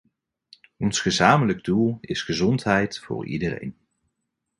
Ons gezamenlijk doel is gezondheid voor iedereen.